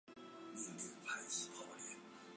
我以后一定会还你的